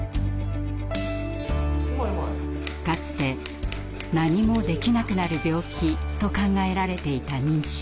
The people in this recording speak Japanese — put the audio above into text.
かつて「何もできなくなる病気」と考えられていた認知症。